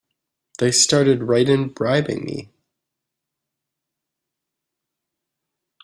They started right in bribing me!